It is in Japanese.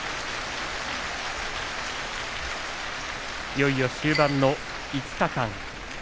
いよいよ終盤の５日間。